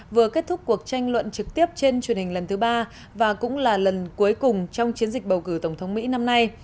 vừa kết thúc cuộc tranh luận trực tiếp trên truyền hình lần thứ ba và cũng là lần cuối cùng trong chiến dịch bầu cử tổng thống mỹ năm nay